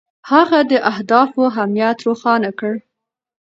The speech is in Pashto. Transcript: هغه د اهدافو اهمیت روښانه کړ.